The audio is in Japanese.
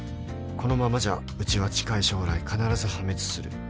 ［このままじゃうちは近い将来必ず破滅する］